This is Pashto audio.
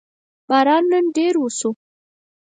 باران نن ډېر وشو